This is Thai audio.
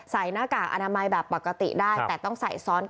หน้ากากอนามัยแบบปกติได้แต่ต้องใส่ซ้อนกัน